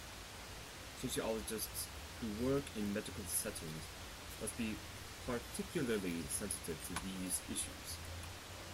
Sociologists who work in medical settings must be particularly sensitive to these issues.